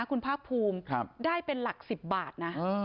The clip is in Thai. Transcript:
คุณภาคภูมิได้เป็นหลัก๑๐บาทนะ